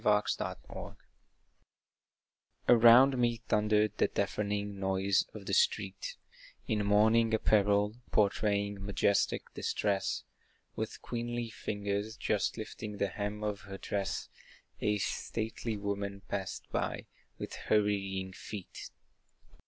To a Passer by Around me thundered the deafening noise of the street, In mourning apparel, portraying majestic distress, With queenly fingers, just lifting the hem of her dress, A stately woman passed by with hurrying feet.